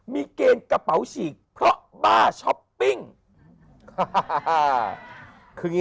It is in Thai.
มีเกณฑ์กระเป๋าฉีกเพราะบ้าช้อปปิ้ง